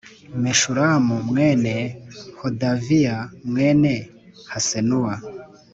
meshulamu mwene hodaviya mwene hasenuwa